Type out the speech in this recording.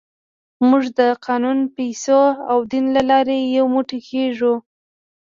موږ د قانون، پیسو او دین له لارې یو موټی کېږو.